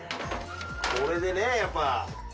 これでねやっぱ。